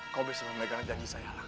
kau bisa memegang janji saya lah